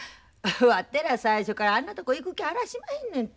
わてら最初からあんなとこ行く気あらしまへんねんて。